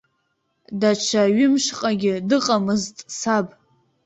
Даҽа ҩымшҟагьы дыҟамызт саб.